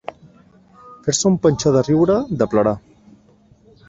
Fer-se un panxó de riure, de plorar.